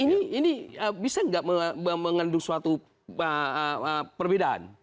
ini bisa nggak mengandung suatu perbedaan